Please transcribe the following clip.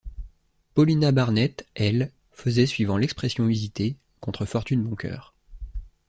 Paulina Barnett, elle, faisait, suivant l’expression usitée, contre fortune bon cœur.